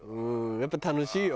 やっぱり楽しいよ。